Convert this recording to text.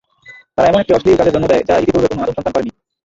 তারা এমন একটি অশ্লীল কাজের জন্ম দেয় যা ইতিপূর্বে কোন আদম সন্তান করেনি।